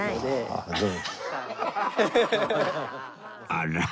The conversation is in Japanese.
あら？